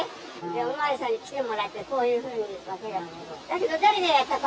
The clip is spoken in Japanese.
おまわりさんに来てもらって、こういうふうにかけられたと。